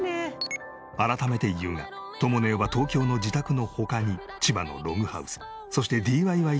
改めて言うがとも姉は東京の自宅の他に千葉のログハウスそしてＤＩＹ施設を持っている。